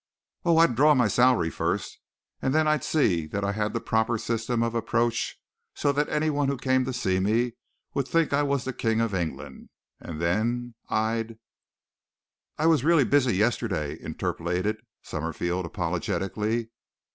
"Oh, I'd draw my salary first and then I'd see that I had the proper system of approach so that any one who came to see me would think I was the King of England, and then I'd " "I was really busy yesterday," interpolated Summerfield apologetically.